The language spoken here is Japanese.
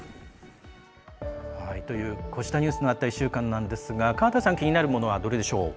こうしたニュースのあった１週間ですが、川田さんの気になるものはどれでしょう。